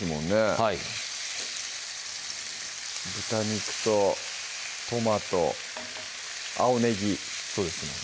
はい豚肉とトマト・青ねぎそうですね